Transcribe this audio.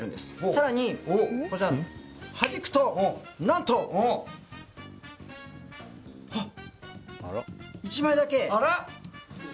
さらにこちらはじくとなんと１枚だけあらっ！？